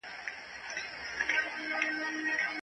د نوي نرمغالي دپاره په کڅوڼي کي کافي پیسې لرم.